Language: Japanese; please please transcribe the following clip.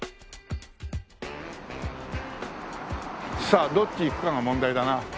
さあどっち行くかが問題だな。